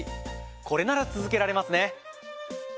これなら続けられますね。